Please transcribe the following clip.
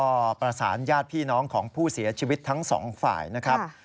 ก็ประสานญาติพี่น้องของผู้เสียชีวิตทั้งสองฝ่ายนะครับ